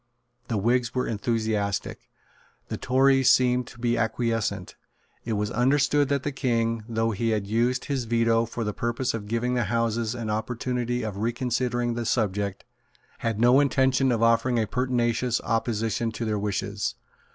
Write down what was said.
The Whigs were enthusiastic. The Tories seemed to be acquiescent. It was understood that the King, though he had used his Veto for the purpose of giving the Houses an opportunity of reconsidering the subject, had no intention of offering a pertinacious opposition to their wishes.